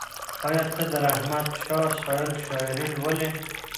ایا ته د رحمت شاه سایل شاعري لولې؟